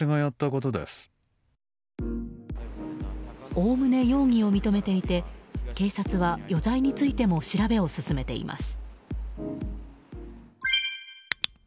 おおむね容疑を認めていて警察は、余罪についても調べを進めています。